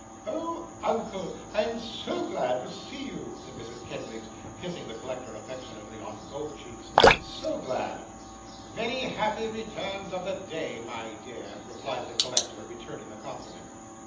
'Oh, uncle, I am SO glad to see you,' said Mrs. Kenwigs, kissing the collector affectionately on both cheeks. 'So glad!' 'Many happy returns of the day, my dear,' replied the collector, returning the compliment.